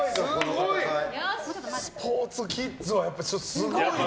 スポーツキッズはすごいな。